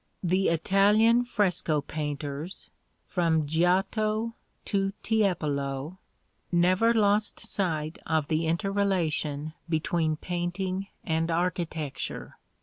The Italian fresco painters, from Giotto to Tiepolo, never lost sight of the interrelation between painting and architecture.